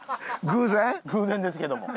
偶然ですけども。